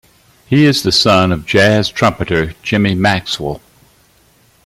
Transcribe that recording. He is the son of jazz trumpeter Jimmy Maxwell.